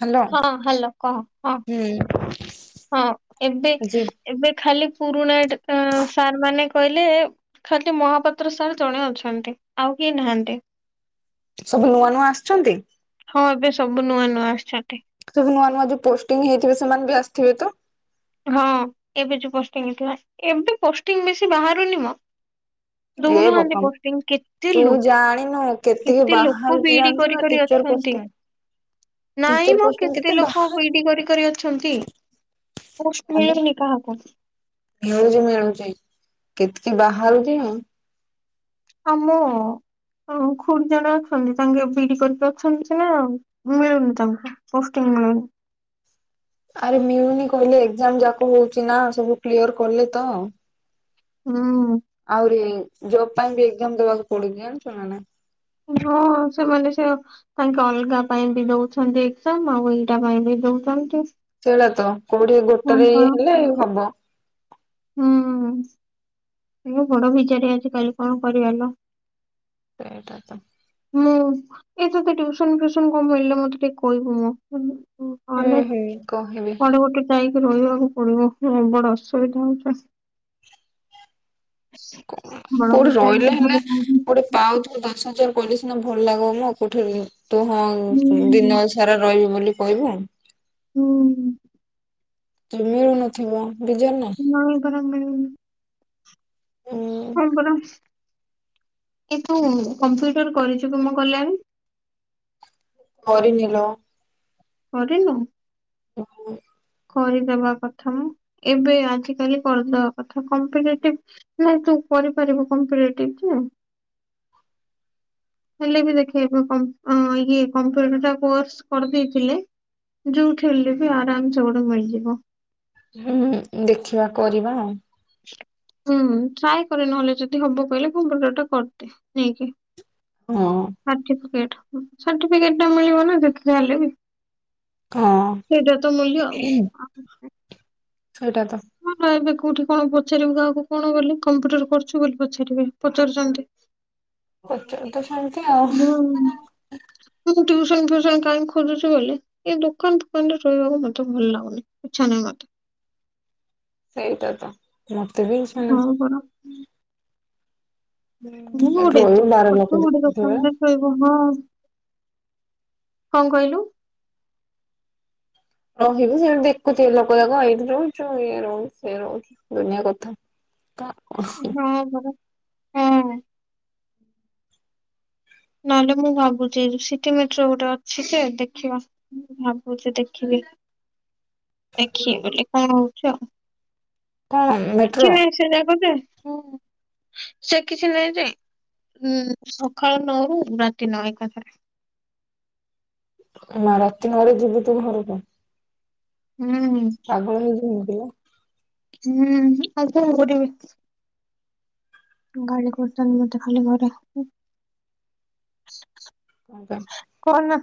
Hello ହଁ hello କହ ହଁ। ହୁଁ ହଁ ଏବେ ଜି ଏବେ ଖାଲି ପୁରୁଣା ସାର୍ ମାନେ କହିଲେ ଖାଲି ମହାପାତ୍ର ସାର୍ ଜଣେ ଅଛନ୍ତି ଆଉ କେହି ନାହାନ୍ତି। ସବୁ ନୂଆ ନୂଆ ଆସିଚନ୍ତି? ହଁ ଏବେ ସବୁ ନୂଆ ନୂଆ ଆସିଛନ୍ତି। ସବୁ ନୂଆ ନୂଆ ଯୋଉ ପୋଷ୍ଟିଂ ହେଇଥିବ ସେମାନେବି ଆସିଥିବେତ? ହଁ ଏବେ ଯ ପଷ୍ଟିଙ୍ଗ୍ ଥିବ ଆସି ଏବେ ପୋଷ୍ଟଙ୍ଗ ବେଶୀ ବାହାରୁନିମ। [inaudible] ଏବୋପା କେତେ ତୁ ଲୋକ ଜାଣିନୁ କେତିକି କେତେ ଲୋକ ବାହାରୁଚି ବିଇଡି କରି ଜାଣିଚୁନା ଟିଚର୍ ପୋଷ୍ଟିଙ୍ଗ [inaudible] ନାଇଁମୋ କେତେ ଲୋକ ବିଇଡି କରି କରି ଅଛନ୍ତି। ପୋଷ୍ଟ ମିଳୁନି କାହକୁ। ମିଳୁଚି ମିଳୁଚି କେତିକି ବାହାରୁଚି ଆଉ। ଆମ ଖୁଡ଼ି ଜଣେ ଅଛନ୍ତି ତାଙ୍କେ ବିଇଡ଼ି କରିପାରୁ ଅଛନ୍ତିକି ସିନା ମିଳୁନି ତାଙ୍କୁ ପୋଷ୍ଟଟିଂ ମିଳୁନି। ଆରେ ମିଳୁନି କହିଲେ ଏଗ୍ଜାମ୍ ଯାହାକୁ ହଉଚିନା ସବୁ କ୍ଲିୟର କଲେତ। ହୁଁ। ଆହୁରି ଜବ୍ ପାଇଁବି ଏକ୍ଜାମ୍ ଦବାକୁ ପଡୁଚି ଯାଣିଚୁନା ନାଇଁ। ହଁ ସେମାନେ ସେ ତାଙ୍କେ ଅଲଗା ପାଇଁବି ଦଉଛନ୍ତି ଏଗ୍ଜାମ୍ ଆଉ ଏଇଟା ପାଇଁବି ଦଉଚନ୍ତି। ସେଇଟାତ କୋଉଠି ଗୋଟେରେ ଇଏ ହେଲେ ହବ। ହୁଁ ଏବଡ଼ ବିଚାର ଆଜିକାଲି କଣ କରିବାଲ? ସେଇଟାତ। ମୁଁ ଏ ତେ ଟିଉସନ୍ ଫିଉସନ୍ କଁ ମିିଳିଲେ ମତେ ଟିକେ କହିବୁ ମୁଁ କଲେ ହୁଁ ନହେଲେ ହୁଁ କହିବି କଣ ଗୋଟେ ଯାଇକି ରହିବାକୁ ପଡ଼ିବ ବଡ଼ ଅସୁବିଧା ହଉଚି। [unintelligible] ପାଉଥିଲୁ ଦଶ ହଜାର କରି ସିନା ଭଲ ଲାଗିବ ମୁଁ କୋଠି ତୁ ହଁ ହୁଁ ଦିନ ସାରା ରହିବି ବୋଲି କହିବୁ ହୁଁ। ମିଳୁନଥିବ ବିଜାରନା ନାଁଇ ପରା ମିଳୁନି। ଉଁ ହଁ ପରା କିନ୍ତୁ କମ୍ପ୍ୟୁଟର କରିଚୁ ତମୋ କଲ୍ୟାଣୀ? କରିନିଲ। କରିନୁ? କରିଦବା କଥାମୋ ଏବେ ଆଜିକାଲି କରିଦବା କଥା କମ୍ପିଟିଭ୍ ନାଇଁ ତୁ କରିପାରିବୁ କମ୍ପ୍ଲିଟିଟି? ହେଲେବି ଦେଖେଇବ କମ୍ପ ଉ ଇଏ କମ୍ପ୍ୟୁଟର କୋର୍ସ କରିଦେଇଥିଲେ ଯୋଉଠି ହେଲେବି ଆରାମସେ ଗୋଟେ ମିଳିଯିବ। ହୁଁ ଦେଖିବା କରିବା ଆଉ। ହୁଁ ଟ୍ରାଏ କରେ ନହେଲେ ଯଦି ହବ କହିଲେ କମ୍ପ୍ୟୁଟରଟା କରିଦେ। ନାଇଁ କିି। ହଁ। ସାର୍ଟିଫିକେଟ ସାର୍ଟିଫିକେଟ ଟା ମିଳିବ ନା ଯେତେ ଯାହା ହେଲେ ବି। ହଁ ହଁ ସେଟା ତ ମୂଲ୍ୟ ଆଉ। ସେଇଟା ତ। ହଁ ର ଏବେ କୋଉଠି କଣ ପଚାରିବୁ କାହାକୁ କଣ ବୋଲି କମ୍ପ୍ୟୁଟର କରୁଛୁ ବୋଲି ପଚାରିବେ ପଚାରୁଛନ୍ତି। ପଚାରୁଚ ତ ସେମିତି ଆଉ। ମୁଁ ମୁଁ ଟ୍ୟୁସନ ଫ୍ୟୁସନ କାଇଁ ଖୋଜୁଛି ବୋଲି। ଏ ଦୋକାନ ଦୁକାନରେ ରହିବାକୁ ମତେ ଭଲ ଲାଗୁନି ଇଚ୍ଛା ନାହିଁ ମତେ। ସେଇଟା ତ ମତେ ବି ଇଚ୍ଛା ନା ହଁ ପରା ତୁ ଗୋଟେ ରହିବୁ ଏତେ ପାଠ ବାର ଲୋକ ପଢିଥିବୁ ଗୋଟେ ଦେଖୁଥିବେ ଦୋକାନରେ କଣ କହିଲୁ? ରହିବୁ ସେମିତି ଦେଖୁଥିବେ ଲୋକ ଯାକ ଏଇଠି ରହୁଛୁ। ଇଏ ରହୁଛୁ ସେ ରହୁଛିୁ ଦୁନିଆ କଥା। ତା ହଁ ପରା। ହଁ ନହେଲେ ମୁଁ ଭାବୁଛି ସିଟି ମେଟ୍ରୋ ଗୋଟେ ଅଛି ଯେ ଦେଖିବା। ଭାବୁଛି ଦେଖିବି ଦେଖିବି ବୋଲି କଣ ହଉଛି ଆଉ। କଣ ଉଁ ଦେ କିଛି ନାଇଁ ସେରାକ ଯେ। ସେ କିଛି ନାହିଁ ଯେ ଉ ସକାଳ ନଅରୁ ରାତି ନଅ ଏକା ଥରେ। ଏ ମା ରାତି ନଅରେ ଯିବୁ ତୋ ଘରକୁ। ହୁଁ। ହଁ ଯିବୁ କିଲୋ। ହୁଁ ଆଉ କଣ କରିବି? ଗାଡି କରିଛନ୍ତି ଗୋଟେ ଖାଲି ଘରେ। [inaudible] ଆଜ୍ଞା। କଣ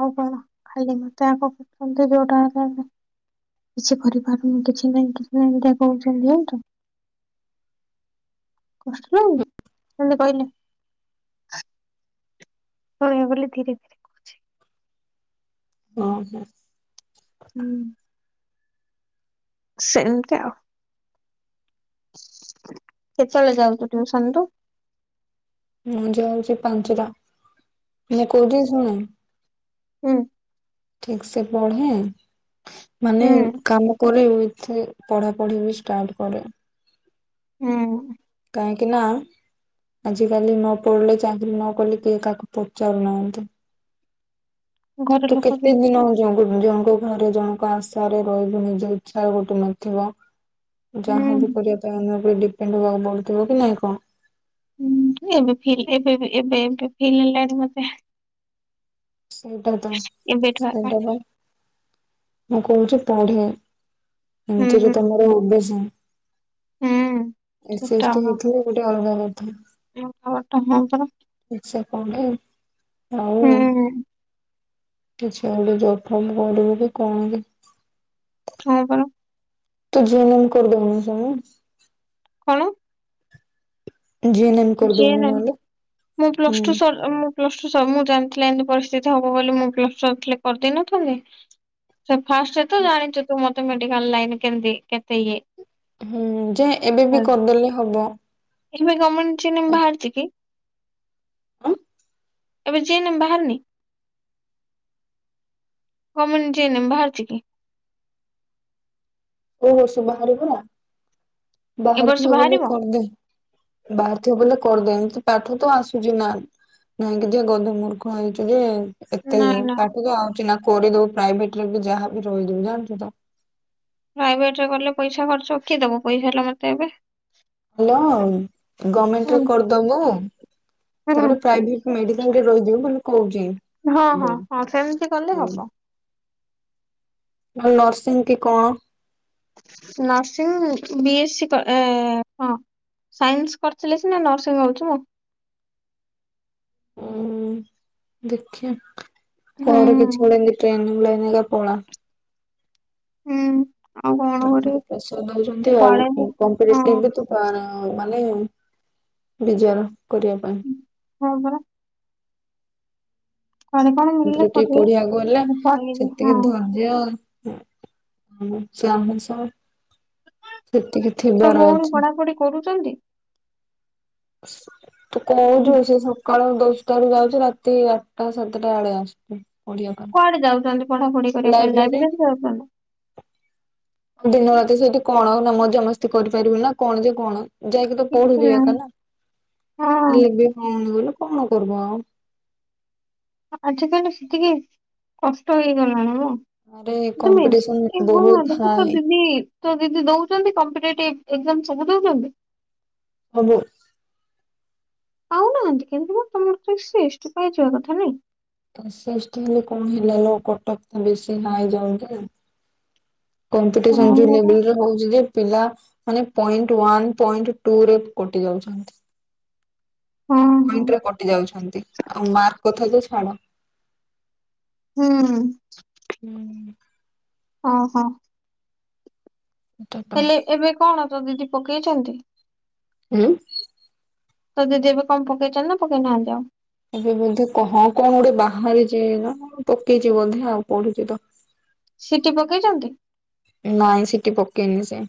ଆଉ କଣ ଖାଲି ମତେ ଆଗ କୁହନ୍ତୁ ଯୋଉଟା ହେଲେ କିଛି କରିପାରୁନୁ କିଛି ନାହିଁ କିଛି ନାଇଁ। ଏମିତିଆ କହୁଛନ୍ତି ଜାଣିଛ। [inaudible] କଷ୍ଟ ରହିବୁ ସେତି କହିଲେ। ପଳେଇବେ ବୋଲି ଧୀରେ ଧୀରେ। କହୁଛି। ଓହୋ। ହୁଁ। ସେମିତି ଆଉ। କେତେବେଳେ ଯାଉଛୁ ଟ୍ୟୁସନ ରୁ। ମୁଁ ଯାଉଛି ପାଞ୍ଚଟା। ମୁଁ କହୁଛିି ଶୁଣୁ। ହୁଁ। ଠିକ୍ ସେ ପଢେ ମାନେ ହୁଁ କାମ କରେ। ଉଇଥି ପଢାପଢି ବି ଷ୍ଟାର୍ଟ କରେ। ହୁଁ। କାହିଁକି ନା ଆଜିକାଲି ନ ପଢିଲେ ଚାକିରି ନ କଲେ କିଏ କାହାକୁ ପଚାରୁନାହାନ୍ତି। ଘର ତୁ ଲୋକ ବି କେତେ ଦିନ ହଉ ଜଣଙ୍କ ଘରେ ଜଣଙ୍କ ଆଶାରେ ରହିବୁ। ନିଜ ଇଚ୍ଛାରେ ଗୋଟେ ନଥିବ। ହୁଁ ଯାହା ବି କରିବା ପାଇଁ ଅନ୍ୟ ଉପରେ ଡିପେଣ୍ଡ ହବାକୁ ପଡୁଥିବ କି ନାଇଁ କଣ? ହୁଁ ଏବେ ଫିଲ୍ ଏବେ ଏବେ ଏବେ ଫିଲ୍ ହେଲାଣି ମତେ। ସେଇଟା ତ ଏବେଠୁ ଏକା ସେଇଟା ପାଇଁ। ମୁଁ କହୁଛି ପଢ଼େ ଏମିତିରେ ହୁଁ। ତମର ଓ ବି ସି, ହୁଁ ଏ ସି ଏସ୍ଟି ହେଇଥିଲେ। ଗୋଟେ ଅଲଗା [inaudible] [inaudible] ହନ୍ତା। ଠିକସେ ପଢେ ଆଉ। ହୁଁ କିଛି ଗୋଟେ ଜବ ଫବ କରିବୁ କଣ କି ହଁ ପରା। ତୁ ଯଏନିଙ୍ଗୀ କରିଦବୁନି ମୋସାଙ୍ଗେ। କଣ? ଜି ନ ଯିଏ ନାଇଁ ମୁଁ ପ୍ଲସ ଟୁ ସ ମୁଁ ପ୍ଲସ ଟୁ ସବ ମୁଁ ଜାଣିି ଏମିତି ପରିସ୍ଥିତି ହବ ବୋଲି ମୁଁ ପ୍ଲସ ଟୁ ସରିଥିଲେ କରିଦେଇ ନଥାନ୍ତି। ସେ ଫାଷ୍ଟେ ତ ଜାଣିଚୁ ତୁ ମତେ ମେଡିକାଲ୍ ଲାଇନି କେମିତି କେତେ ଇଏ। ହୁଁ ଯେ ଏବେ ବି କରିଦେଲେ ହବ। ଏବେ ଗମେଣ୍ଟ୍ ଚିନିମ୍ ବାହାରିଚ଼ି କି? ଉଁ। ଏବେ ଜିଏନେମ୍ ବାହାରନି ଗମେଣ୍ଟ ଜଏନେମ୍ ବାହାରିଚି କି? ଓହୋ ସୁ ବାହାରିବନା ଏ ବର୍ଷ ବାହାରୁଥିଲେ ବୋଲେ ବାହାରିବ କରିଦେ। ବାହାରଥିବ ବୋଲେ କରିଦଉନୁ ତୋତେ ପାଠ ତ ଆସୁଚି ନା। ନାଇଁକି ଯେ ଗଧ ମୂର୍ଖ ହେଇଚୁ ଯେ ଏତେ ଇ ନାଇଁ ନାଇଁ ପାଠତ ଆଉ ଚିନା କରିଦବୁ ପ୍ରାଇଭେଟ୍ ରେ ବି ଯାହାବ ବି ରହିଯିବୁ ଜାଣିଚୁ ତ। ପ୍ରାଇଭେଟ୍ ରେ କଲେ ପଇସା ଖର୍ଚ୍ଚ କିଏ ଦବ ପଇସା ହେଲା ମତେ ଏବେ। ହେଲା ଆଉ ଗଭର୍ଣମେଣ୍ଟ ହୁଁ ରେ କରିଦବୁ ହୁଁ ତାପରେ ପ୍ରାଇଭେ ମେଡିକାଲ୍ ରେ ରହିଯିବୁ ବୋଲେ କହୁଚ଼ି। ହଁ ହଁ ହଁ ସେମିତି କଲେ ହବ। ନହେଲେ ନର୍ସିଂ କି କଣ। ନର୍ସିଂ ବିଏସି କ ଏ ହଁ। ସାଇନ୍ସି କରିଥିଲେ ସିନା ନର୍ସିଂ ହଉଥିବ। ଉୁଁ ଦେଖିଆ ହୁଁ କୁଆଡୁ କିଛି। ନଏଲେ ଏମିତି ଟ୍ରେନିଙ୍ଗ୍ ଲାଇନ୍ ହେଇକା ପଳା। ହୁଁ। ଆଉ କଣ ତତେ ତ କରିବି ପ୍ରେସର୍ ଦଉଛନ୍ତି ଆଉ କୁଆଡେ ବି କମ୍ପିଟେଟିଭ୍ ହଁ ବି ତୁ। ପାଁରଉ ମାନେ ବିଜୟାର କରିଆ ପାଇଁ। ହଁ ପରା। ଘରେ କଣ ମିଳିଲେ କମ୍ପିଟେଟିଭ୍ କରିବି ପଢିଆକୁ ହେଲେ କୁଆଡେ ପଳେଇବି ସେତିକି ହଁ ଧର୍ଯ୍ୟ ଉୁଁ ଚାହୁଁ ଚାହୁଁ ସେତିକି ଥିବାର ଅଛି। କୋଉଠି କରୁଚ଼ନ୍ତି? ତୁ କହୁଚୁ ସେ ସକାଳୁ ଦଶ୍ ଟା ରୁ ଯାଉଚ଼ି ରାତି ଆଠଟା ସାତଟା ବେଳେ ଆସୁଚ଼ି ପଢିଆ ପାଇଁ। କୁଆଡ଼େ ଯାଉଛନ୍ତି ପଢାପଢି କରିବା ପାଇଁ ଲାଇବ୍ରେରୀ। ଯାଉଛନ୍ତି ଦିନ ରାତି ସେଇଠି କଣ ନା ମଜା ମସ୍ତି କରିପାରିବୁ ନା କଣ ଯେ କଣ। ଯାଇକି ତ କିଛି ପଢୁଚି ନାହିଁ ଏକା ନା ହଁ ହେଲେ ବି ହଁ ନ ବୋଇଲ କଣ କରିବ ଆଉ। ଆଜିକାଲି ସେତିକି କଷ୍ଟ ହେଇଗଲାଣି ମୋ। ଆରେ [unintelligible] ଇ କମ୍ପିଟିସନ ବହୁତ ନୁହଁ ଦେଖୁଚ ହାଏ ଦିଦି ତ ଦିଦି ଦଉଚନ୍ତି କମ୍ପିଟେଟିଭ୍ ଏକ୍ଜାମ୍ ସବୁ ଦଉଚନ୍ତି? ହବ ପାଉନାହାନ୍ତି କିନ୍ତୁ ତମରତ ସେଏସ୍‌ଟି ପାଇ ଯିବା କଥା ନାଇଁ। ତସ୍ଏସଟି ହେଲେ କଣ ହେଲାଲୋ କଟକତ ବେଶୀ ନାଇଁ ଯାଉଚି। ହଁ କମ୍ପିଟେସନ୍ ଯୋଉ ଲେବୁଲ୍ ରେ ହଉଚିଯେ ପିଲା ମାନେ ପଏଣ୍ଟ ୱାନ୍ ପଏଣ୍ଟ ଟୁରେ କଟି ଯାଉଛନ୍ତି। ହଁ। ହଁ ପଣ୍ଟରେ କଟି ଯାଉଛନ୍ତି ଆଉ ମାର୍କ କଥାତ ଛାଡ଼। ହୁଁ। ହୁଁ। ଅଁ ହଁ। ତ ତ ହେଲେ ଏବେ କଣ ତୋ ଦିଦି ପକେଇଚନ୍ତି? ଉୁଁ। ତୋ ଦିଦି ଏବେ କଁ ପକେଇଚନ୍ତିନା ପକେଇ ନହାନ୍ତି ଆଉ? ଏବେ ବୋଧେ କ ହଁ କଣ ଗୋଟେ ବାହାରିଚିନା ପକେଇଚି ବୋଧେ ଆଉ ପଢୁଚିତ ସିଟି ପକେଇଚନ୍ତି? ନାଇଁ ସିଟି ପକେଇନି ସେ।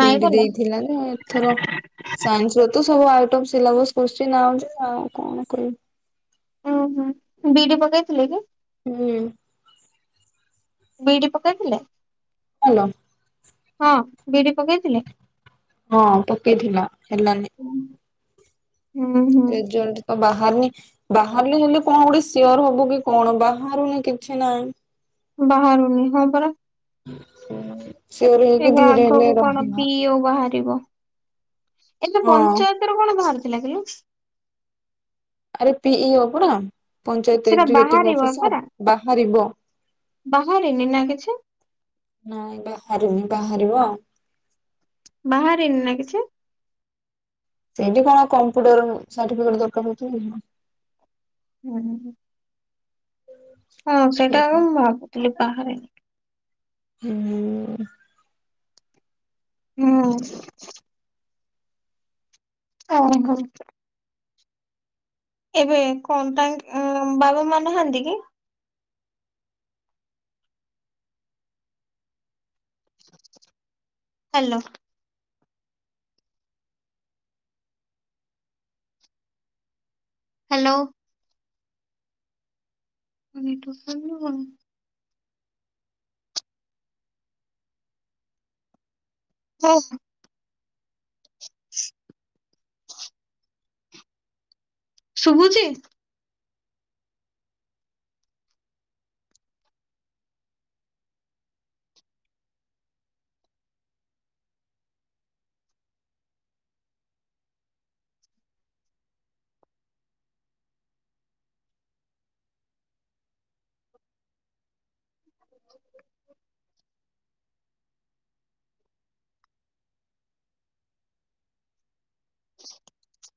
ନାଇଁ ବିଡ଼ି ଭଲ ଦେଇଥିଲାଯେ ଏଥର ସାଇନ୍ସରତ ସବୁ ଆଇଟମ ସିଲାବସ୍ କୋସ୍ଚିନ୍ ଆଣୁଚି ଆଉ କଣ କହିବି ଉଁ ହୁଁ ବିଡ଼ି ପକେଇଥିଲେକି? ହୁଁ। ବିଡ଼ି ପକେଇଥିଲେ? ହାଲୋ। ହଁ ବିଡ଼ି ପକେଇଥିଲେ? ହଁ ପକେଇଥିଲା ହେଲାନି। ହୁଁ ହୁଁ ରେଜଲ୍ଟତ ବାହାରିନି ବାହାରିଲେ ହେଲେ କଣ ଗୋଟେ ସିୟର ହବୁକି କଣ ବାହାରୁନି କିଛି ନାଇଁ। ବାହାରୁନି ହଁ ଟରା। ହୁଁ ସିଓର ହେଇକି ଧୀରେ ହେଲେ ରହିବ। ଟିଓ ବାହାରିବ ଏବେ ହଁ ପଞ୍ଚାୟତରୁ କଣ ବାହାରିଥିଲା କିିଲ? ଆରେ ପି ଇ ଓ ପରା ପଞ୍ଚାୟତ ସେଟା ଏଗ୍ଜଗେଟ୍ ବାହାରିବ ଅଫିସରହାର ବାହାରିବ। ବାହାରିନିନା କିଛି? ନାଇଁ ବାହାରିନି ବାହାରିବ। ବାହାରନିନା କିଛି? ସେଇଠି କଣ କମ୍ପୁଟର ସାର୍ଟିଫିକେଟ ଦରକାର ହଉଚି ହୁଁ ହୁଁ ହୁଁ। ହୁଁ। ହଁ ସେଇଟା ଆଗେ ମୁଁ ଭାବୁଥିଲି ବାହାରେ। ହୁଁ। ହୁଁ। [unintelligible] ଏବେ କମ୍ ଟାଇମ୍ ବାବା ମା ନାହାନ୍ତିକି? ହାଲୋ। ହାଲୋ। ମାନେଠୁ ଖାଲୁ ଅଁ ହ ହଁ। [unintelligible] ଶୁଭୁଚି? [inaudible] [unintelligible]